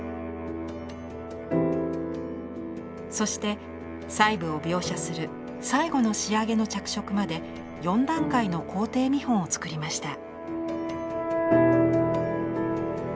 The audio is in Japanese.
そして細部を描写する最後の仕上げの着色まで４段階の工程見本をつくりました。